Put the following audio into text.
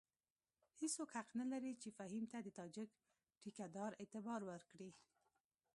هېڅوک حق نه لري چې فهیم ته د تاجک ټیکه دار اعتبار ورکړي.